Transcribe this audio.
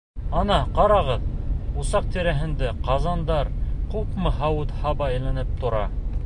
Ана, ҡарағыҙ, усаҡ тирәһендә ҡаҙандар, күпме һауыт-һаба эленеп тора.